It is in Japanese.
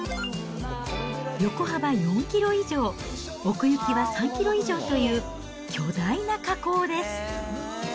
横幅４キロ以上、奥行きは３キロ以上という巨大な火口です。